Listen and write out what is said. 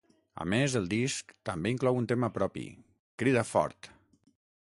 A més el disc també inclou un tema propi, ‘Crida fort’.